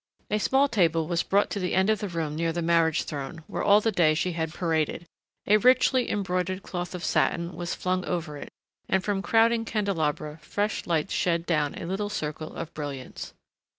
A small table was brought to the end of the room near the marriage throne where all the day she had paraded; a richly embroidered cloth of satin was flung over it, and from crowding candelabra fresh lights shed down a little circle of brilliance.